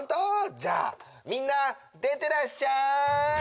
じゃあみんな出てらっしゃい！